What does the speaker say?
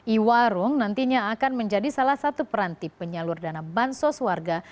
iwarung nantinya akan menjadi salah satu peranti penyalur dana bansos warga